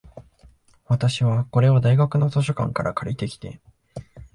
私は、これを大学の図書館から借りてきて、